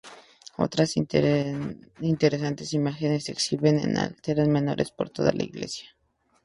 Otras interesantes imágenes se exhiben en altares menores por toda la iglesia.